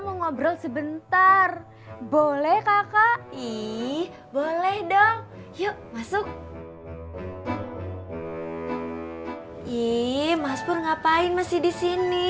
mau ngobrol sebentar boleh kakak ii boleh dong yuk masuk ii mas pur ngapain masih disini